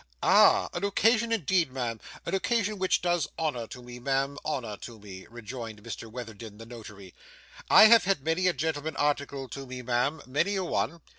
'Ah! an occasion indeed, ma'am, an occasion which does honour to me, ma'am, honour to me,' rejoined Mr Witherden, the notary. 'I have had many a gentleman articled to me, ma'am, many a one.